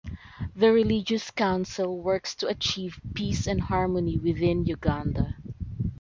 The religious council works to achieve peace and harmony within Uganda.